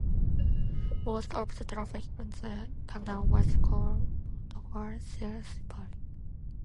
Most of the traffic on the canal was coal, bound for Shrewsbury.